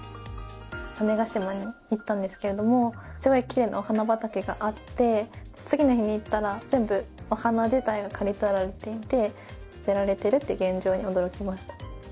種子島に行ったんですけれどもすごいきれいなお花畑があって次の日に行ったら全部お花自体が刈り取られていて捨てられてるという現状に驚きました。